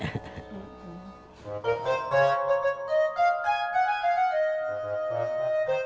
ada apa be